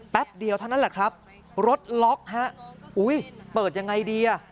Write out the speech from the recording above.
แป๊บเดียวเท่านั้นแหละครับรถล็อกอุ๊ยเปิดอย่างไรดี